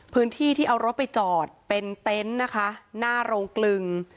พื้นที่ที่เอารถไปจอดเป็นเต็นต์นะคะหน้าโรงกลึง